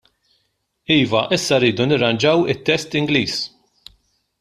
Iva, issa rridu nirranġaw it-test Ingliż.